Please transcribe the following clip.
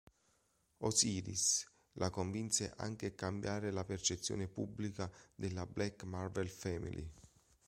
Osiris la convinse anche a cambiare la percezione pubblica della Black Marvel Family.